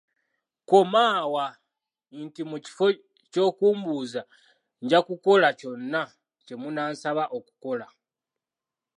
Kko Maawa nti mu kifo ky’okumbuuza njakukola kyonna kyemunansaba okukola.